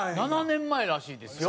７年前らしいですよ。